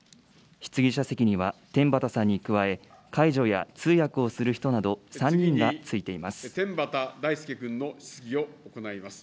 質疑者席には天畠さんに加え、介助や通訳をする人など、天畠大輔君の質疑を行います。